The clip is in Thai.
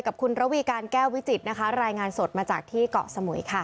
กับคุณระวีการแก้ววิจิตรนะคะรายงานสดมาจากที่เกาะสมุยค่ะ